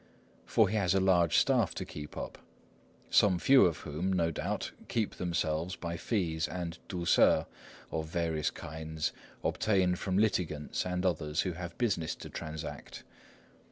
For he has a large staff to keep up; some few of whom, no doubt, keep themselves by fees and douceurs of various kinds obtained from litigants and others who have business to transact.